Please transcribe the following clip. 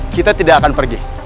kita tidak akan pergi